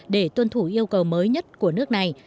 để tuân thủ yêu cầu mới nhất của nước này